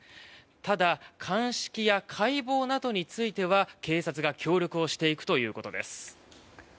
ただ、鑑識や解剖などについては警察が協力をしていくということです。